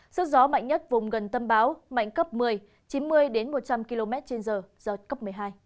sức gió mạnh nhất vùng gần tâm bão mạnh cấp một mươi chín mươi một trăm linh km trên giờ giật cấp một mươi hai